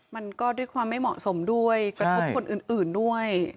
มันก็ด้วยความไม่เหมาะสมด้วยกระทบคนอื่นด้วย